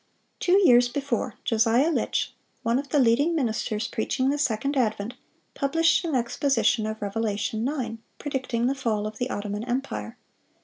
Two years before, Josiah Litch, one of the leading ministers preaching the second advent, published an exposition of Revelation 9, predicting the fall of the Ottoman empire.